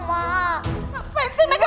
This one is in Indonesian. udah setelah pergi ngomongnya